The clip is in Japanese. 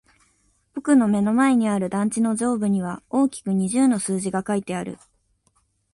僕の目の前にある団地の上部には大きく二十の数字が書いてある。